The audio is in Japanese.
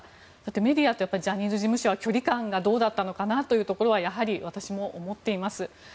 メディアとジャニーズ事務所は距離感はどうだったのかなというのはやはり私も思っています。